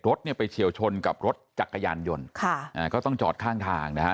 รถเนี่ยไปเฉียวชนกับรถจักรยานยนต์ค่ะอ่าก็ต้องจอดข้างทางนะฮะ